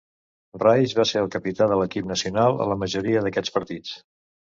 Rice va ser el capità de l'equip nacional a la majoria d'aquests partits.